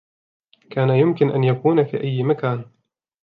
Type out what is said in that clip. كان يمكن أن يكون في أي مكان.